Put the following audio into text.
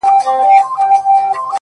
• دا کتاب ختم سو نور ـ یو بل کتاب راکه ـ